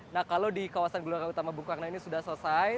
nah kalau di kawasan gelora utama bung karno ini sudah selesai